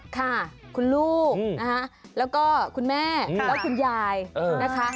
ค่ะคุณลูกนะคะแล้วก็คุณแม่และคุณยายนะคะ